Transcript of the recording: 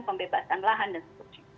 pembebasan lahan dan sebagainya